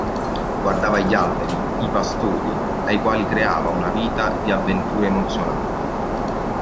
Guardava gli alberi, i pastori, ai quali creava una vita di avventure emozionanti.